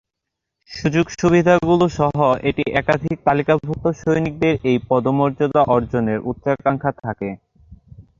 সুযোগ সুবিধাগুলি সহ, এটি সর্বাধিক তালিকাভুক্ত সৈনিকদের এই পদমর্যাদা অর্জনের উচ্চাকাঙ্ক্ষা থাকে।